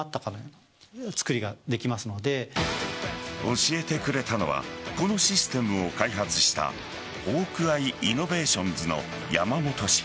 教えてくれたのはこのシステムを開発したホークアイ・イノベーションズの山本氏。